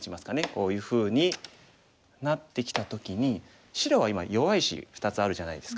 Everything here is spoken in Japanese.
こういうふうになってきた時に白は今弱い石２つあるじゃないですか。